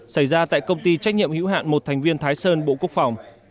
xảy ra tại công ty trách nhiệm hữu hạn một thành viên thái sơn bộ quốc phòng